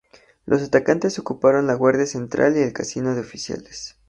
Los atacantes ocuparon la guardia central y el casino de oficiales.